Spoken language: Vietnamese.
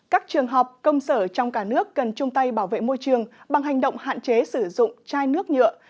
các trường học công sở trong cả nước cần chung tay bảo vệ môi trường bằng hành động hạn chế sử dụng chai nước nhựa